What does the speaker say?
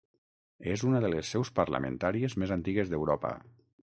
És una de les seus parlamentàries més antigues d'Europa.